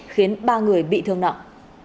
khiến ba người bị thương nặng